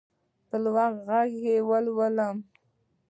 په لوړ غږ لولم.